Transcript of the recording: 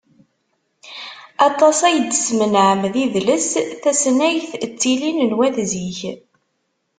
Aṭas ay d-smenɛem d idles, tasnagt d tilin n wat zik.